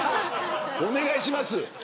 お願いします。